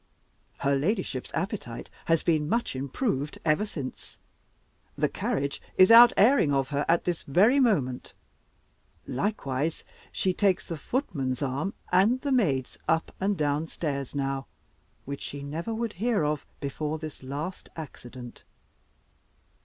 Her ladyship's appetite has been improved ever since the carriage is out airing of her at this very moment likewise, she takes the footman's arm and the maid's up and downstairs now, which she never would hear of before this last accident.